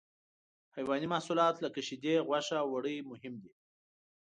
حیواني محصولات لکه شیدې، غوښه او وړۍ مهم دي.